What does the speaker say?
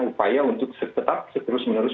upaya untuk tetap seterus menerus